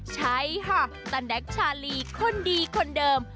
ใช้หักตันแดกชาลีคนดีคนเดิม